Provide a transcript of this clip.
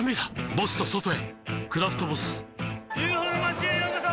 ボスと外へ「クラフトボス」ＵＦＯの町へようこそ！